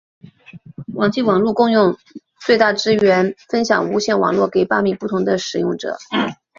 网际网路共用最大支援分享无线网路给八名不同的使用者。